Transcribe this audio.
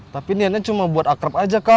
tapi niatnya cuma buat akrab saja kak